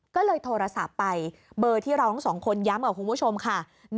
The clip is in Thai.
ก็เลยโทรศัพท์ไปเบอร์ที่ร้องทั้งสองคนย้ำกับคุณผู้ชมค่ะ